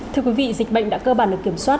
thưa quý vị dịch bệnh đã cơ bản được kiểm soát